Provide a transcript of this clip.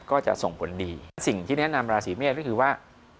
ก็จะส่งผลดีและสิ่งที่แนะนำราศีเมษก็คือว่า